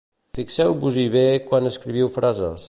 fixeu-vos-hi bé quan escriviu frases